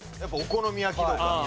やっぱお好み焼きとか。